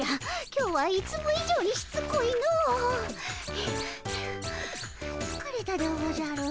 はあはあつかれたでおじゃる。